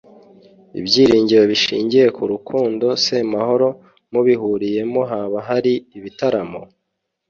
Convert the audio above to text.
ibyiringiro bishingiye k’urukundo, semahoro mubihuriyemohaba hari ibitaramo?